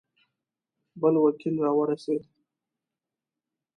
بل وکیل را ورسېد.